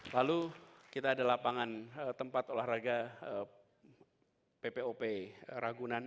lalu kita ada lapangan tempat olahraga ppop ragunan